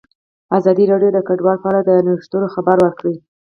ازادي راډیو د کډوال په اړه د نوښتونو خبر ورکړی.